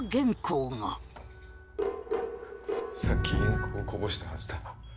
さっきインクをこぼしたはずだ。